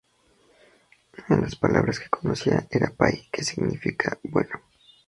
Una de las palabras que conocía era pai, que significa ‘bueno’.